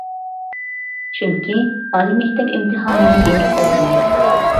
چۈنكى ئالىي مەكتەپ ئىمتىھانىنى بېرىپ بولدىڭىز.